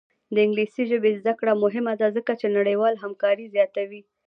د انګلیسي ژبې زده کړه مهمه ده ځکه چې نړیوالې همکاري زیاتوي.